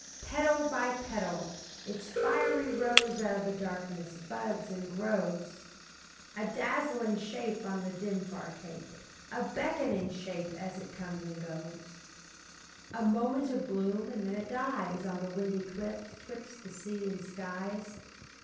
Petal by petal its fiery rose Out of the darkness buds and grows; A dazzling shape on the dim, far cape, A beckoning shape as it comes and goes. A moment of bloom, and then it dies On the windy cliff 'twixt the sea and skies.